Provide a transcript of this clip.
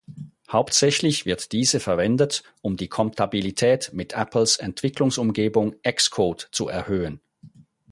Hauptsächlich wird diese verwendet, um die Kompatibilität mit Apples Entwicklungsumgebung Xcode zu erhöhen.